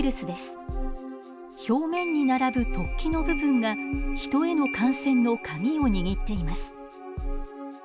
表面に並ぶ突起の部分がヒトへの感染のカギを握っています。